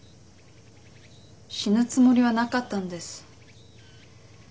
死ぬつもりはなかったんです。